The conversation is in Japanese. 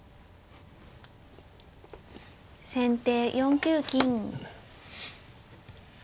先手４九金。